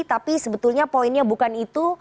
tapi sebetulnya poinnya bukan itu